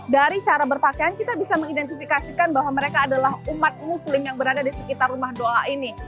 dari cara berpakaian kita bisa mengidentifikasikan bahwa mereka adalah umat muslim yang berada di sekitar rumah doa ini